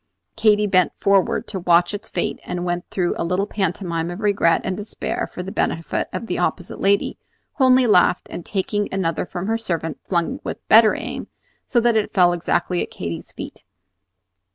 Katy bent forward to watch its fate, and went through a little pantomime of regret and despair for the benefit of the opposite lady, who only laughed, and taking another from her servant flung with better aim, so that it fell exactly at Katy's feet.